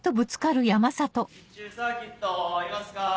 西中サーキットいますか？